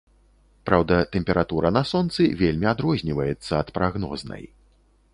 Праўда, тэмпература на сонцы вельмі адрозніваецца ад прагнознай.